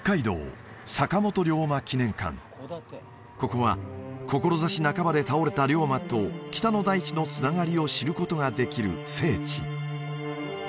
ここは志半ばで倒れた龍馬と北の大地のつながりを知ることができる聖地